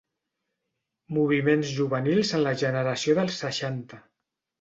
Moviments juvenils en la generació dels seixanta.